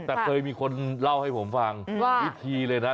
แต่เคยมีคนเล่าให้ผมฟังวิธีเลยนะ